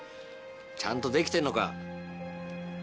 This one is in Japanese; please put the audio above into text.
ちゃんとできてんのか？